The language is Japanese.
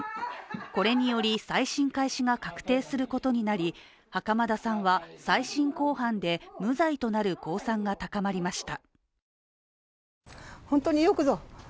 これにより再審開始が確定することになり袴田さんは再審公判で無罪となる公算が高まりました。